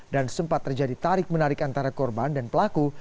dan sempat terjadi tarik menarik antara korban dan pelaku